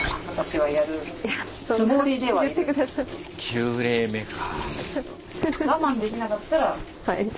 ９例目か。